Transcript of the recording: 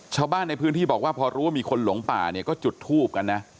ชาวบ้านในพื้นที่บอกว่าพอรู้ว่ามีคนหลงป่าเนี่ยก็จุดทูบกันนะ